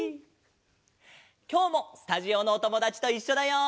きょうもスタジオのおともだちといっしょだよ！